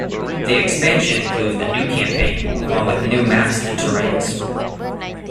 The expansion includes a new campaign, along with new maps and terrains.